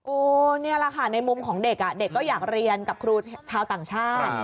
นี่แหละค่ะในมุมของเด็กเด็กก็อยากเรียนกับครูชาวต่างชาติ